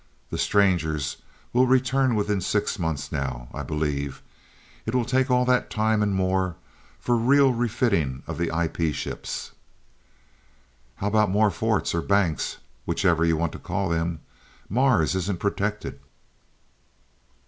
The Stranger will return within six months now, I believe. It will take all that time, and more for real refitting of the IP ships." "How about more forts or banks, whichever you want to call them. Mars isn't protected."